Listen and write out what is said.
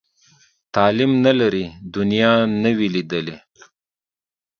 تعلیم نه لري، دنیا نه وي لیدلې.